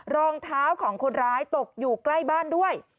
รองเท้าของคนร้ายตกอยู่ใกล้บ้านด้วย